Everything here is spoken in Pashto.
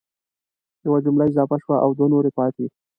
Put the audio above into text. یوه جمله اضافه شوه او دوه نورې پاتي